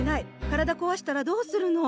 体こわしたらどうするの？